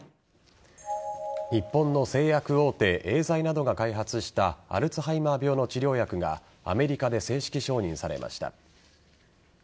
日本の製薬大手エーザイなどが開発したアルツハイマー病の治療薬がアメリカで正式承認されました。